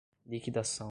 liquidação